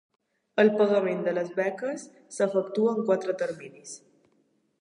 El pagament de les beques s'efectua en quatre terminis.